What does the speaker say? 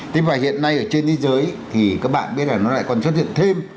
thế và hiện nay ở trên thế giới thì các bạn biết là nó lại còn xuất hiện thêm